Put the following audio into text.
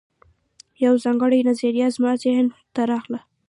یوه ځانګړې نظریه زما ذهن ته راغله